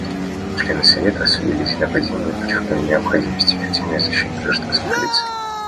Члены Совета осудили эти нападения и подчеркнули необходимость эффективной защиты гражданских лиц.